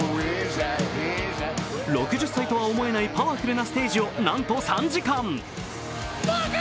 ６０歳とは思えないパワフルなステージを、なんと３時間！